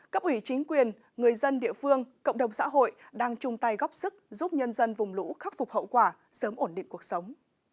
cấp ủy chính quyền người dân địa phương cộng đồng xã hội đang chung tay góp sức giúp nhân dân vùng lũ khắc phục hậu quả sớm ổn định cuộc sống